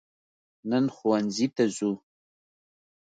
نن ښوونځي ته ځو